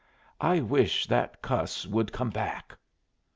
I wish that cuss would come back."